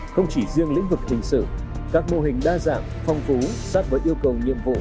không chỉ riêng lĩnh vực hình sự các mô hình đa dạng phong phú sát với yêu cầu nhiệm vụ